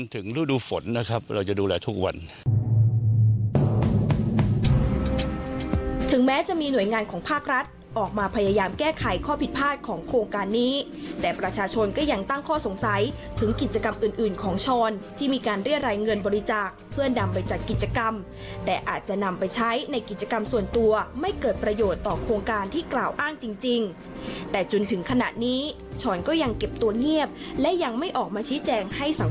ถึงแม้จะมีหน่วยงานของภาครัฐออกมาพยายามแก้ไขข้อผิดพลาดของโครงการนี้แต่ประชาชนก็ยังตั้งข้อสงสัยเพิ่มกิจกรรมอื่นของชอนที่มีการเรียดไหลเงินบริจาคเพื่อนำไปจัดกิจกรรมแต่อาจจะนำไปใช้ในกิจกรรมส่วนตัวไม่เกิดประโยชน์ต่อโครงการที่กล่าวอ้างจริงแต่จนถึงขณะนี้ชอนก็ยังเ